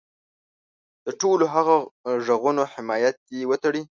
د ټولو هغه غږونو حمایت دې وتړي.